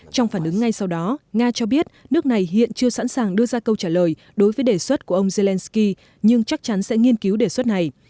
trong phản ứng ngay sau đó nga cho biết nước này hiện chưa sẵn sàng đưa ra câu trả lời đối với đề xuất của ông zelensky nhưng chắc chắn sẽ nghiên cứu đề xuất này